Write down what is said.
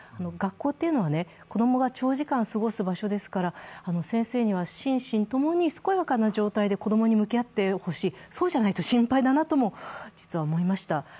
学校というのは子供が長時間過ごす場所ですから先生には心身ともに健やかな状態で子供に向き合ってほしい、そうじゃないと心配だなとも実は思いました。